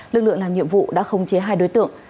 lực lượng làm nhiệm vụ đã khống chế hai đối tượng